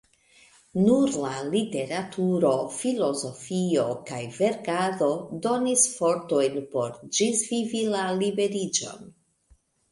Nur la literaturo, filozofio kaj verkado donis fortojn por ĝisvivi la liberiĝon.